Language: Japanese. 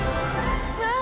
わあ！